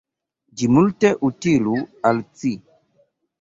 Ĝi multe utilu al ci!